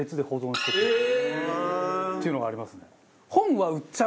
へえー！っていうのがありますね。